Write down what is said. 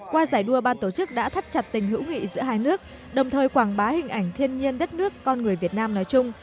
qua giải đua ban tổ chức đã thắt chặt tình hữu nghị giữa hai nước đồng thời quảng bá hình ảnh thiên nhiên đất nước con người việt nam nói chung